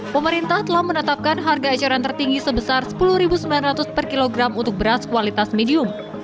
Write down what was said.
pemerintah telah menetapkan harga eceran tertinggi sebesar rp sepuluh sembilan ratus per kilogram untuk beras kualitas medium